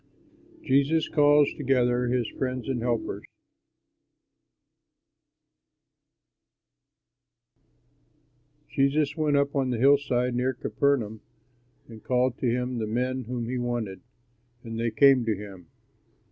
JESUS CALLS TOGETHER HIS FRIENDS AND HELPERS Jesus went up on the hillside near Capernaum and called to him the men whom he wanted, and they came to him.